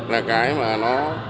là cái mà nó